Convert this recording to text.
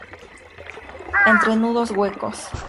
Entrenudos huecos.